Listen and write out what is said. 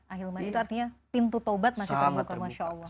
akhir manitanya pintu taubat masih terbuka